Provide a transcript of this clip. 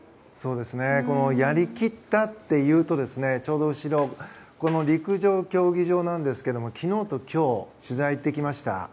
やりきったっていうとちょうど後ろこの陸上競技場ですが昨日と今日取材に行ってきました。